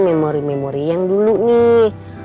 memori memori yang dulu nih